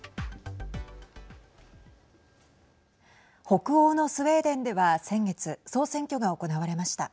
北欧のスウェーデンでは先月総選挙が行われました。